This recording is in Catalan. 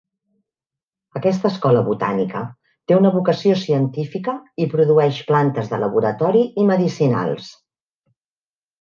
Aquesta escola botànica té una vocació científica i produeix plantes de laboratori i medicinals.